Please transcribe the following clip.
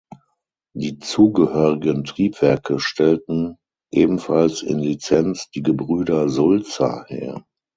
Die zugehörigen Triebwerke stellten, ebenfalls in Lizenz, die Gebrüder Sulzer her.